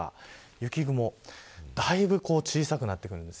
雪雲だいぶ小さくなってきます。